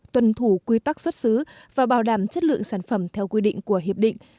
tuần thủ quy tắc xuất xứ và bảo đảm chất lượng sản phẩm theo quy định của hiệp định